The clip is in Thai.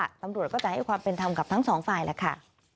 ตำรวจก็จะให้ความเป็นธรรมกับทั้งสองฝ่ายแหละค่ะ